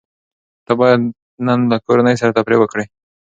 ته بايد نن له کورنۍ سره تفريح وکړې.